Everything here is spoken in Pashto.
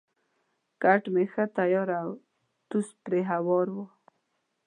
کټ مې ښه تیار او توس پرې هوار وو.